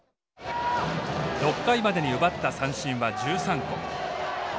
６回までに奪った三振は１３個。